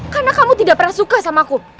karena kamu tidak pernah suka sama aku